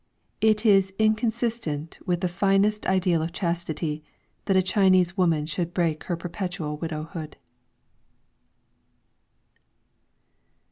It is inconsistent with the finest ideal of chastity that a Chinese woman should break her perpetual widowhood.